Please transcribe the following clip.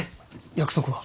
約束は？